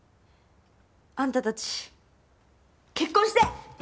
あんたたち結婚して！